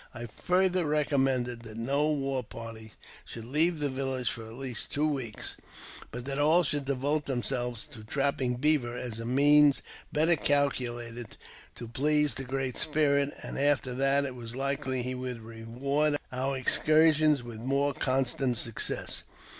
I further recommended that no war party should leave the village for at least two weeks, but that all should devote themselves to trap ping beaver, as a means better calculated to please the Great Spirit, and after that it was likely he would reward our ex I cursions with more constant success.